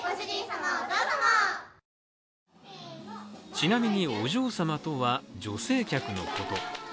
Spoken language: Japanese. ちなみにお嬢様とは女性客のこと。